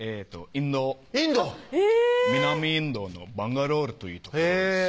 インドインド南インドのバンガロールという所です